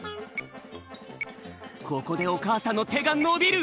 ここでおかあさんのてがのびる！